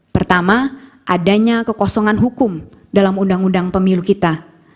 pertama adanya kekosongan hukum dalam undang undang pemilu kita